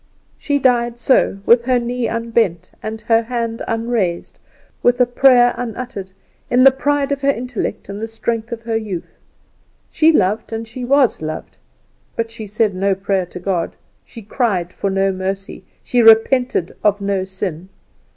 She died so with her knee unbent, with her hand unraised, with a prayer unuttered, in the pride of her intellect and the strength of her youth. She loved and she was loved; but she said no prayer to God; she cried for no mercy; she repented of no sin!